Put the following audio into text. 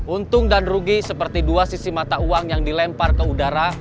untung dan rugi seperti dua sisi mata uang yang dilempar ke udara